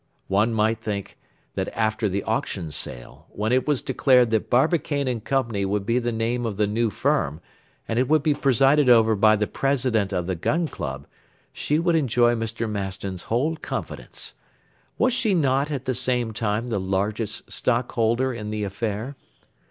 One might think that after the auction sale, when it was declared that Barbicane & Company would be the name of the new firm, and it would be presided over by the President of the Gun Club, she would enjoy Mr. Maston's whole confidence. Was she not at the same time the largest stockholder in the affair?